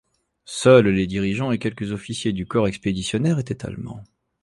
Seuls les dirigeants et quelques officiers du corps expéditionnaire étaient allemands.